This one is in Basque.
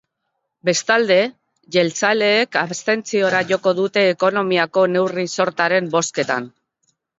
Bestalde, jeltzaleek abstentziora joko dute ekonomiako neurri-sortaren bozketan.